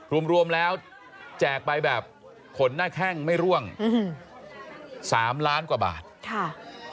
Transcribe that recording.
รวมรวมแล้วแจกไปแบบขนหน้าแข้งไม่ร่วงอืมสามล้านกว่าบาทค่ะ